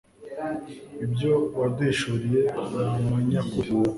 ibyo waduhishuriye ni amanyakuri